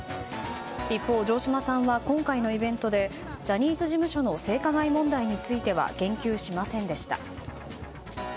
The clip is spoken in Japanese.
一方、城島さんは今回のイベントでジャニーズ事務所の性加害問題については言及しませんでした。